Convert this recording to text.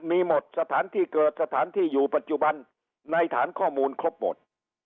มีหมดสถานที่เกิดสถานที่อยู่ปัจจุบันในฐานข้อมูลครบหมด